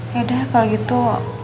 ya udah kalau gitu